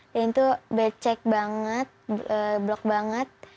dan itu becek banget blok banget